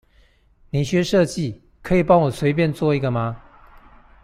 你學設計，可以幫我隨便做一個嗎？